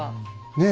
ねえ。